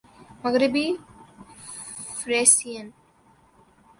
مغربی فریسیئن